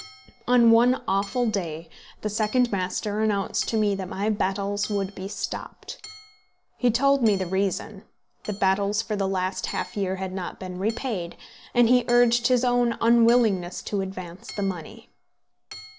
On one awful day the second master announced to me that my battels would be stopped. He told me the reason, the battels for the last half year had not been repaid; and he urged his own unwillingness to advance the money.